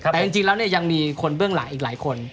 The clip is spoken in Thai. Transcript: แต่จริงต่อเองเองยังมีคนเบื้องหลากอีกหลายคน